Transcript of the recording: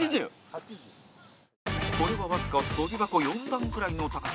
これはわずか跳び箱４段ぐらいの高さ